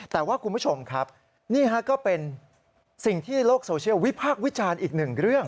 แต่ว่าคุณผู้ชมครับนี่ฮะก็เป็นสิ่งที่โลกโซเชียลวิพากษ์วิจารณ์อีกหนึ่งเรื่อง